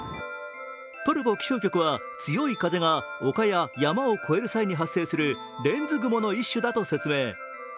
トルコ気象局は強い風が丘や山を越える際に発生するレンズ雲の一種だと説明。